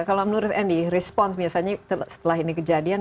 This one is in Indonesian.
kalau menurut andi respons misalnya setelah ini kejadian